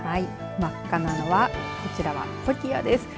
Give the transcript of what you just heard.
真っ赤なのはこちらはコキアです。